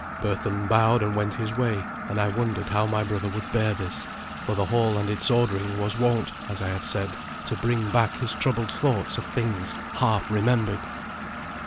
Berthun bowed and went his way; and I wondered how my brother would bear this, for the hall and its ordering was wont, as I have said, to bring back his troubled thoughts of things half remembered.